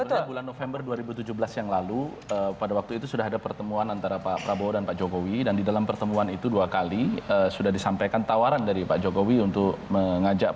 sebenarnya bulan november dua ribu tujuh belas yang lalu pada waktu itu sudah ada pertemuan antara pak prabowo dan pak jokowi dan di dalam pertemuan itu dua kali sudah disampaikan tawaran dari pak jokowi untuk mengajak